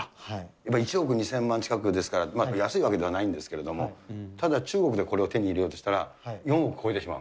やっぱり１億２０００万近くですから、安いわけではないんですけども、ただ、中国でこれを手に入れようとしたら４億を超えてしまう？